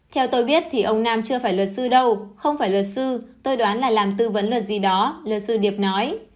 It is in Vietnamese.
theo tôi biết thì ông nam chưa phải luật sư đâu không phải luật sư tôi đoán là làm tư vấn luật gì đó luật sư điệp nói